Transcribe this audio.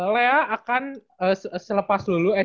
lea akan selepas lulus